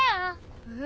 えっ？